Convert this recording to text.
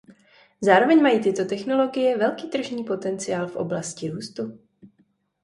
Zároveň mají tyto technologie velký tržní potenciál v oblasti růstu.